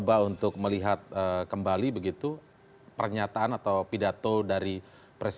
apakah demokrasi kita ini sudah terlalu bebas